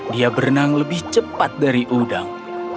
dia berenang lebih cepat dari udang